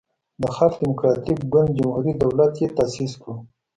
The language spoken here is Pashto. د خلق دیموکراتیک ګوند جمهوری دولت یی تاسیس کړو.